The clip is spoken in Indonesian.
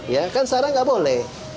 ya kan sarah nggak boleh